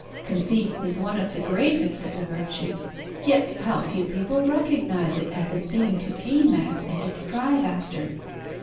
Conceit is one of the greatest of the virtues, yet how few people recognise it as a thing to aim at and to strive after.